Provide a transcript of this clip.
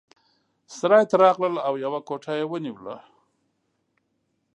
سرای ته راغلل او یوه کوټه یې ونیوله.